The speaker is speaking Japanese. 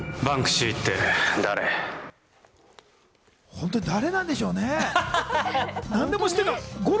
本当に誰なんでしょうね。